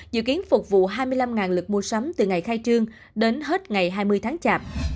dự kiến phục vụ hai mươi năm lực mua sắm từ ngày khai trương đến hết ngày hai mươi tháng chạp